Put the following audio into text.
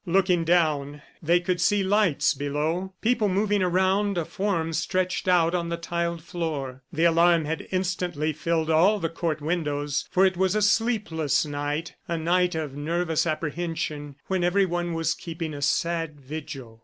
Looking down, they could see lights below, people moving around a form stretched out on the tiled floor. The alarm had instantly filled all the court windows, for it was a sleepless night a night of nervous apprehension when everyone was keeping a sad vigil.